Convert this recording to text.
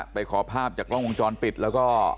ไปขอภาพจากกล้องวงจรปิดแล้วก็